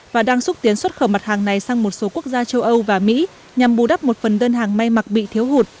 và đang xúc tiến xuất khẩu mặt hàng này sang một số quốc gia châu âu và mỹ nhằm bù đắp một phần đơn hàng may mặc bị thiếu hụt